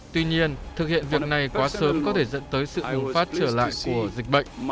tuy nhiên thực hiện việc này quá sớm có thể dẫn tới sự bùng phát trở lại của dịch bệnh